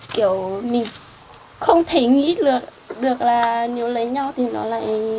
kiểu mình không thể nghĩ được là nhớ lấy nhau thì nó lại